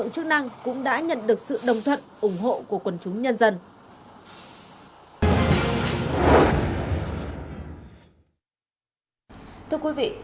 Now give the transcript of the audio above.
thưa quý vị đề án phát triển ứng dụng dữ liệu dân cư